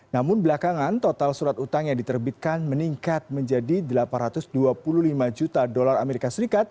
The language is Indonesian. namun belakangan total surat utang yang diterbitkan meningkat menjadi delapan ratus dua puluh lima juta dolar as